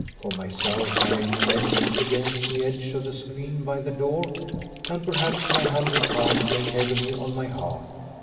For myself, I leant against the edge of the screen by the door, and perhaps my hundred pounds lay heavily on my heart.